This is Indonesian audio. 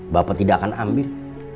bapak tidak akan ambil